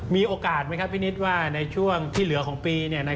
มีโอกาสไหมครับพี่นิดว่าในช่วงที่เหลือของปี